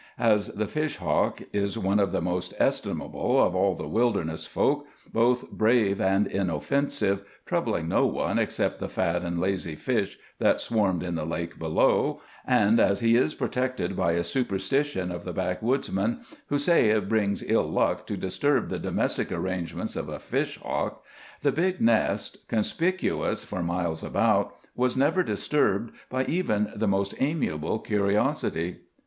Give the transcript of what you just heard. As the fish hawk is one of the most estimable of all the wilderness folk, both brave and inoffensive, troubling no one except the fat and lazy fish that swarmed in the lake below, and as he is protected by a superstition of the backwoodsmen, who say it brings ill luck to disturb the domestic arrangements of a fish hawk, the big nest, conspicuous for miles about, was never disturbed by even the most amiable curiosity.